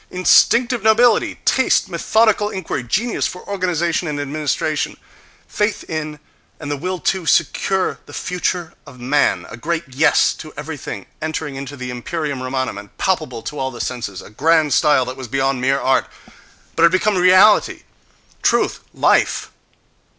Instinctive nobility, taste, methodical inquiry, genius for organization and administration, faith in and the will to secure the future of man, a great yes to everything entering into the imperium Romanum and palpable to all the senses, a grand style that was beyond mere art, but had become reality, truth, life....